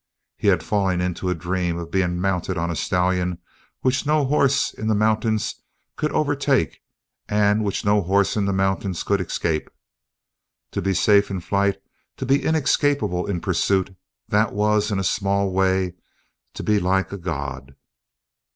He had fallen into a dream of being mounted on a stallion which no horse in the mountains could overtake and which no horse in the mountains could escape. To be safe in flight, to be inescapable in pursuit that was, in a small way, to be like a god.